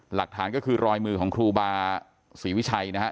หลักฐานก็คือรอยมือของครูบาศรีวิชัยนะฮะ